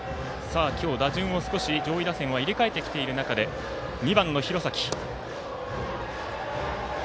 今日、打順を少し上位打線、入れ替えている中で２番の廣崎。